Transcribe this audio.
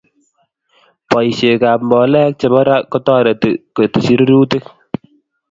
boisheekab mboleekchebo raa kotoretuu koteshi rurutik